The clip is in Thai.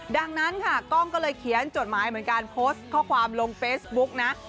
ดังนั้นค่ะกล้องก็เลยเขียนจดหมายเหมือนกันโพสต์ข้อความลงเฟซบุ๊กนะ